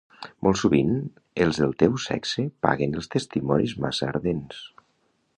Molt sovint els del teu sexe paguen els testimonis massa ardents.